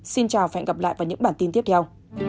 xin chào và hẹn gặp lại vào những bản tin tiếp theo